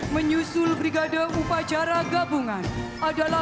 selanjutnya batalion kabupaten kedua